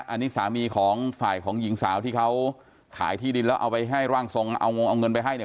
อันนี้สามีของฝ่ายของหญิงสาวที่เขาขายที่ดินแล้วเอาไปให้ร่างทรงเอางงเอาเงินไปให้เนี่ย